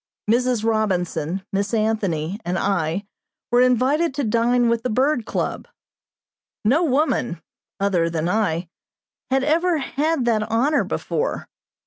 Mrs. Robinson, Miss Anthony, and I were invited to dine with the Bird Club. No woman, other than I, had ever had that honor before.